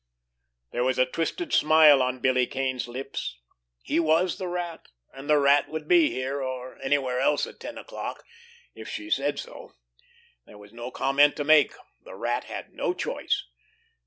There was a twisted smile on Billy Kane's lips. He was the Rat, and the Rat would be here, or anywhere else at ten o'clock—if she said so. There was no comment to make. The Rat had no choice.